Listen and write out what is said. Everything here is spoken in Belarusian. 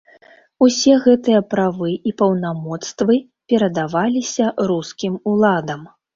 Усе гэтыя правы і паўнамоцтвы перадаваліся рускім уладам.